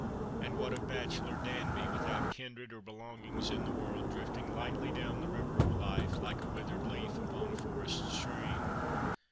And what of bachelor Danby, without kindred or belongings in the world, drifting lightly down the river of^life, like a withered leaf upon a forest stream